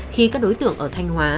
khi các đối tượng ở thanh hóa